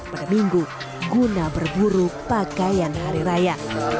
pada minggu guna berburu pakaian hari raya